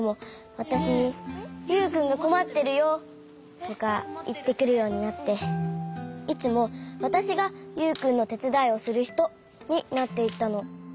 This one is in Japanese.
わたしに「ユウくんがこまってるよ」とかいってくるようになっていつもわたしがユウくんのてつだいをするひとになっていったの。